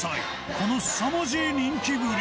このすさまじい人気ぶり。